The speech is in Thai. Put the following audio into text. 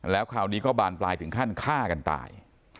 แล้วคราวนี้ก็บานปลายถึงขั้นฆ่ากันตาย